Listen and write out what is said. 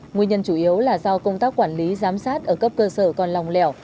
nguyên nhân chủ yếu là do công tác quản lý giám sát ở cấp cơ sở còn lòng lẻo